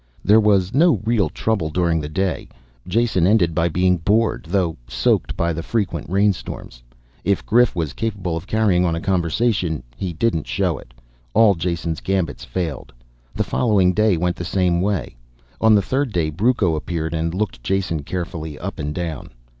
There was no real trouble during the day. Jason ended by being bored, though soaked by the frequent rainstorms. If Grif was capable of carrying on a conversation, he didn't show it. All Jason's gambits failed. The following day went the same way. On the third day, Brucco appeared and looked Jason carefully up and down.